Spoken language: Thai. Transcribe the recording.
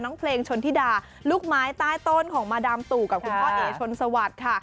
เพลงชนธิดาลูกไม้ใต้ต้นของมาดามตู่กับคุณพ่อเอ๋ชนสวัสดิ์ค่ะ